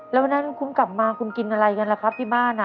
แล้ววันนั้นคุณกลับมาคุณกินอะไรกันล่ะครับที่บ้าน